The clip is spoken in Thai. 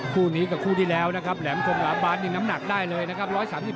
คู่นี้กับคู่ที่แล้วนะครับแหลมทรงหลาบานนี่น้ำหนักได้เลยนะครับ